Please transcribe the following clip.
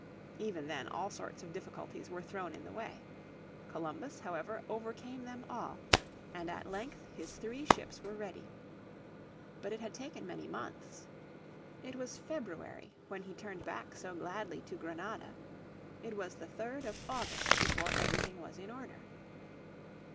Even then all sorts of difficulties were thrown in the way. Columbus, however, overcame them all, and at length his three ships were ready. But it had taken many months. It was February when he turned back so gladly to Granada; it was the third of August before everything was in order.